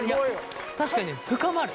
確かに深まる。